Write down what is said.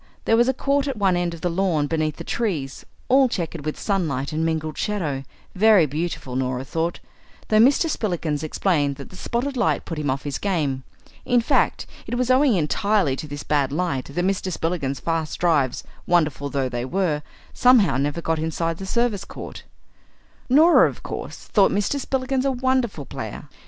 There was a court at one end of the lawn beneath the trees, all chequered with sunlight and mingled shadow; very beautiful, Norah thought, though Mr. Spillikins explained that the spotted light put him off his game. In fact, it was owing entirely to this bad light that Mr. Spillikins's fast drives, wonderful though they were, somehow never got inside the service court. Norah, of course, thought Mr. Spillikins a wonderful player.